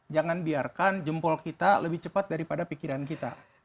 jangan biarkan jempol kita lebih cepat daripada pikiran kita